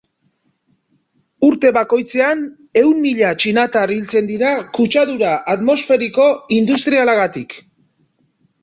Urte bakoitzean, ehun mila txinatar hiltzen dira kutsadura atmosferiko industrialagatik.